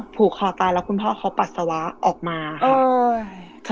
ผูกคอตายแล้วคุณพ่อเขาปัสสาวะออกมาค่ะ